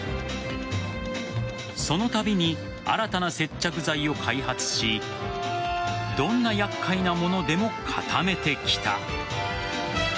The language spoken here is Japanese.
そのたびに新たな接着剤を開発しどんな厄介なものでも固めてきた。